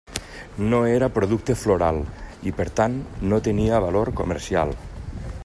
No era producte floral, i per tant no tenia valor comercial.